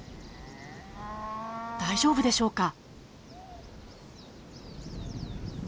大丈夫でしょうか？